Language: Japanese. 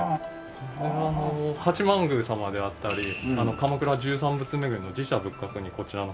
これは八幡宮様であったり鎌倉十三仏巡りの神社仏閣にこちらの。